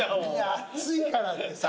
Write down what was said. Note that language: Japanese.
暑いからってさ